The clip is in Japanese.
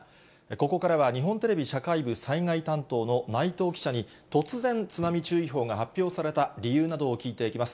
ここからは、日本テレビ社会部災害担当の内藤記者に、突然、津波注意報が発表された理由などを聞いていきます。